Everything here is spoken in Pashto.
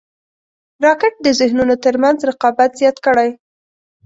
راکټ د ذهنونو تر منځ رقابت زیات کړی